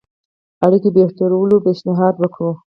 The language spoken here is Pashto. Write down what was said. اړيکو بهترولو پېشنهاد وکړي.